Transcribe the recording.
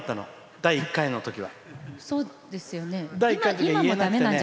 第１回のときは。